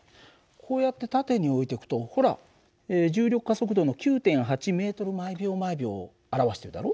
こうやって縦に置いておくとほら重力加速度の９．８ｍ／ｓを表してるだろ？